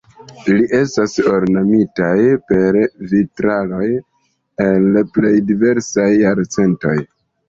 Ili estas ornamitaj per vitraloj el plej diversaj jarcentoj.